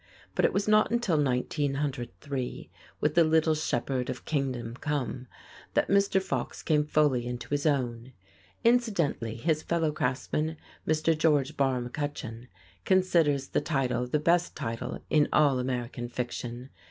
But it was not until 1903, with "The Little Shepherd of Kingdom Come," that Mr. Fox came fully into his own. Incidentally, his fellow craftsman, Mr. George Barr McCutcheon, considers the title the best title in all American fiction.